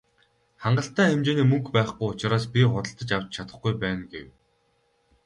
"Хангалттай хэмжээний мөнгө байхгүй учраас би худалдаж авч чадахгүй байна" гэв.